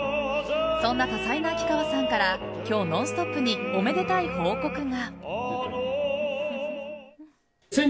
そんな多才な秋川さんから今日、「ノンストップ！」におめでたい報告が！